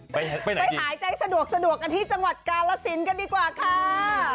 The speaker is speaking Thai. ไปหายใจสะดวกกันที่จังหวัดกาลสินกันดีกว่าค่ะ